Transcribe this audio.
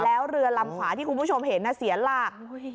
แล้วเรือลำขวาที่คุณผู้ชมเห็นเสียหลัก